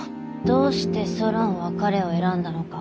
どうしてソロンは彼を選んだのか。